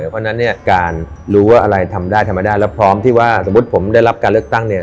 เพราะฉะนั้นเนี่ยการรู้ว่าอะไรทำได้ทำไม่ได้แล้วพร้อมที่ว่าสมมุติผมได้รับการเลือกตั้งเนี่ย